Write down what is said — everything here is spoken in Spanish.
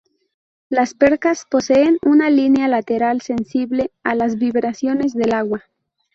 Las percas poseen una línea lateral sensible a las vibraciones del agua.